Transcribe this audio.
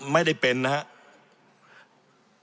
ไม่ได้เป็นนะครับ